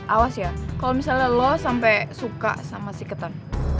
awas ya kalau misalnya lo sampai suka sama si ketan